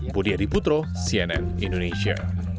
budi adiputro cnn indonesia